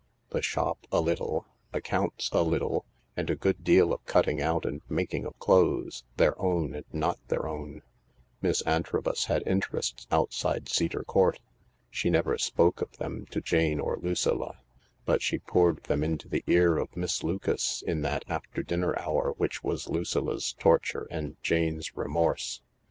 The shop a little; accounts a little j and a good deal of cutting out and making of clothes — their own and not their own. Miss Antrobus had interests outside Cedar Court. She never spoke of them to Jane or Lucilla, but she poured them into the ear of Miss Lucas in that after dinner hour which was Lucilla 's torture and Jane's remorse.